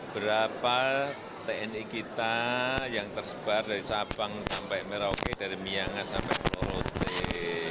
berapa tni kita yang tersebar dari sabang sampai merauke dari miangas sampai pulau rote